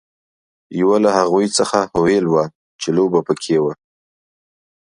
یوه له هغو څخه هویل وه چې لوبه پکې وه.